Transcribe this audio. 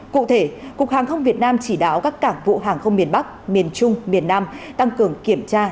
cụ thể cục hàng không việt nam chỉ đạo các cảng vụ hàng không miền bắc miền trung miền nam tăng cường kiểm tra